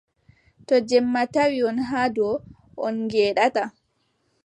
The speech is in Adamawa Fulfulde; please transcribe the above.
To jemma tawi on haa ɗo, on ngeeɗataa.